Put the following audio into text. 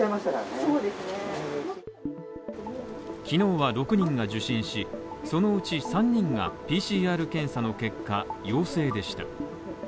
昨日は６人が受診し、そのうち３人がＰＣＲ検査の結果陽性でした。